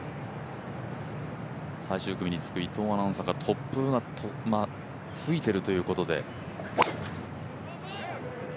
最終組につく伊藤アナウンサーから突風が吹いているということで。